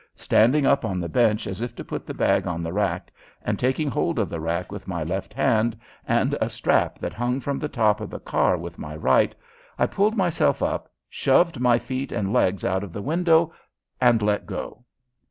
Standing up on the bench as if to put the bag on the rack, and taking hold of the rack with my left hand and a strap that hung from the top of the car with my right, I pulled myself up, shoved my feet and legs out of the window, and let go!